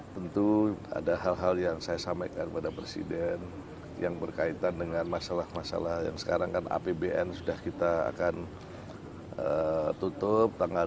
tentu ada hal hal yang saya sampaikan kepada presiden yang berkaitan dengan masalah masalah yang sekarang kan apbn sudah kita akan tutup tanggal dua puluh